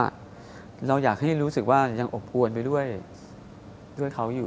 บ๊วยบ๊วยเราอยากให้รู้สึกว่ายังอบหวนไปด้วยเด้วยเขาอยู่